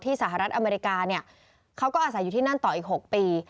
สหรัฐอเมริกาเนี่ยเขาก็อาศัยอยู่ที่นั่นต่ออีก๖ปี